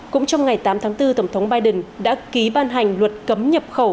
cũng trong ngày tám tháng bốn tổng thống biden đã ký ban hành luật cấm nhập khẩu